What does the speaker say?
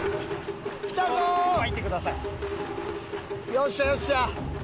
よっしゃよっしゃ！